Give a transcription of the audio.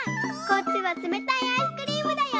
こっちはつめたいアイスクリームだよ。